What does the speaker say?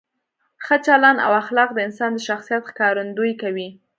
ښه چلند او اخلاق د انسان د شخصیت ښکارندویي کوي.